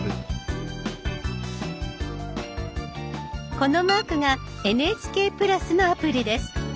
このマークが「ＮＨＫプラス」のアプリです。